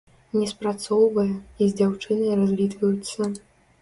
Не спрацоўвае, і з дзяўчынай развітваюцца.